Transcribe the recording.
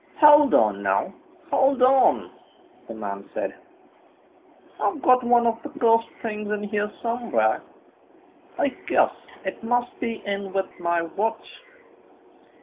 "Hold on, now, hold on!" the man said, "I've got one of the cursed things in here somewhere. I guess it must be in with my watch.